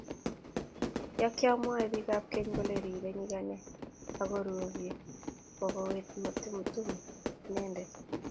ya kimwoe biikab keny kole rirei nyikane aku rorie bokwet ko maitumtum inendet